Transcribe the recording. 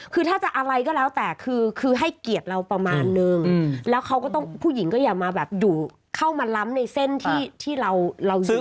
คือถ้าจะอะไรก็แล้วแต่คือให้เกียรติเราประมาณนึงแล้วเขาก็ต้องผู้หญิงก็อย่ามาแบบอยู่เข้ามาล้ำในเส้นที่เรายึด